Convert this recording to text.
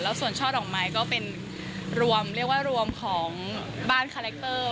ส่วนช่อดอกไม้ก็เป็นรวมเรียกว่ารวมของบ้านคาแรคเตอร์